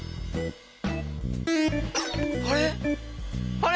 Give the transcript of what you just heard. あれ？